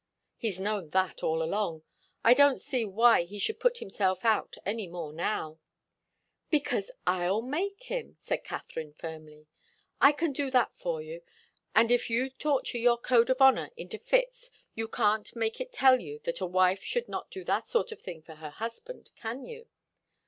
"He's known that all along. I don't see why he should put himself out any more now " "Because I'll make him," said Katharine, firmly. "I can do that for you, and if you torture your code of honour into fits you can't make it tell you that a wife should not do that sort of thing for her husband. Can you?"